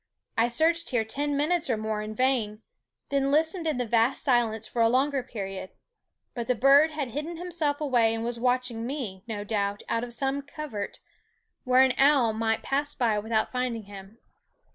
I searched here ten minutes or more in vain, then lis tened in the vast silence for a longer period ; but the bird had hidden himself away and was watching me, no doubt, out of some THE WOODS 9 covert, where an owl might pass by with out finding him.